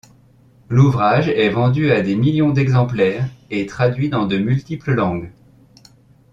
L'ouvrage est vendu à des millions d'exemplaires et traduit dans de multiples langues.